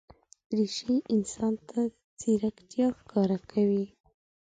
دریشي انسان ته ځیرکتیا ښکاره کوي.